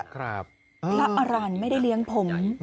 พระอรันต์ไม่ได้เลี้ยงผม